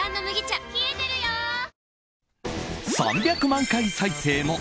３００万回再生も。